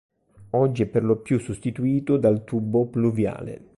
Oggi è perlopiù sostituito dal tubo pluviale.